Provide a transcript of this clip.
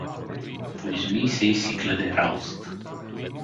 Поизмий се и си гледай работата.